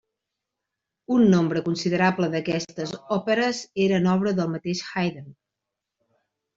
Un nombre considerable d'aquestes òperes eren obra del mateix Haydn.